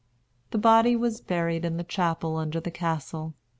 The body was buried in the chapel under the castle.